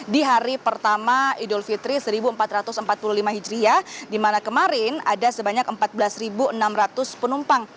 di hari pertama idul fitri seribu empat ratus empat puluh lima hijriah di mana kemarin ada sebanyak empat belas enam ratus penumpang